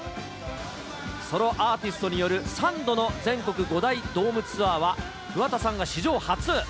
ソロアーティストによる３度の全国５大ドームツアーは、桑田さんが史上初。